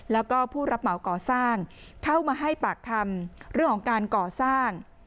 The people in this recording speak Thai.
แล้วก็ผู้รับเหมาก่อสร้างเข้ามาให้ปากคำเรื่องของการก่อสร้าง